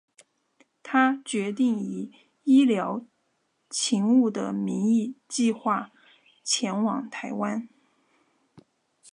他决定以医疗勤务的名义计画前往台湾。